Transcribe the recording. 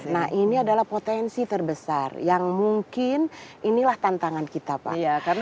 nah ini adalah potensi terbesar yang mungkin inilah tantangan kita pak